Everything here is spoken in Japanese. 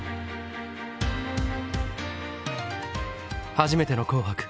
初めての「紅白」。